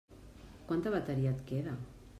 Quanta bateria et queda?